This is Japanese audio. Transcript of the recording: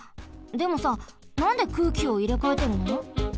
でもさなんで空気をいれかえてるの？